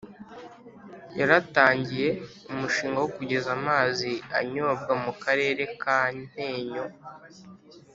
yaratangiye Umushinga wo kugeza amazi anyobwa mu Karere ka Ntenyo